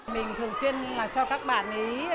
mình thường xuyên cho các bạn ý